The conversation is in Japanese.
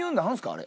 あれ。